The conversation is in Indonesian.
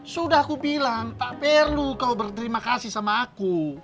sudah kubilang tak perlu kau terima kasih sama aku